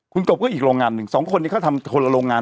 คุณกบก็อีกโรงงานหนึ่งสองคนนี้เขาทำคนละโรงงาน